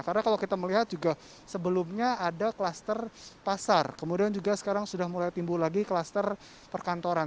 karena kalau kita melihat juga sebelumnya ada kluster pasar kemudian juga sekarang sudah mulai timbul lagi kluster perkantoran